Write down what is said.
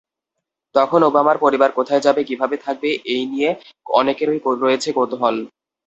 তখন ওবামার পরিবার কোথায় যাবে, কীভাবে থাকবে—এই নিয়ে অনেকেরই রয়েছে কৌতূহল।